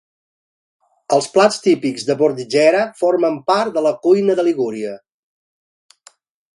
Els plats típics de Bordighera formen part de la cuina de Ligúria.